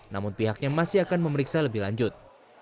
namun pihaknya masih akan memeriksa lebih lanjut